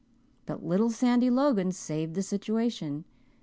But little Sandy Logan saved the situation.